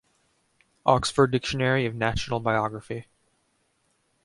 "Oxford Dictionary of National Biography"